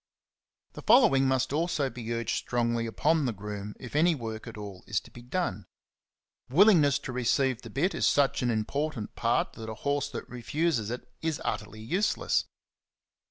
The following must also be urged strongly upon the groom if any work at all is to be done. Willingness to receive the bit is such an important point that a horse which CHAPTER VI. 37 refuses it is utterly useless.